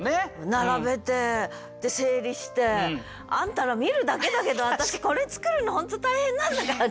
並べてで整理して。あんたら見るだけだけど私これ作るの本当大変なんだからね！